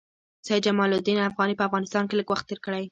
سید جمال الدین افغاني په افغانستان کې لږ وخت تېر کړی.